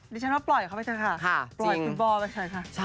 ฉันว่าปล่อยเขาไปเถอะค่ะปล่อยคุณบอไปเถอะค่ะ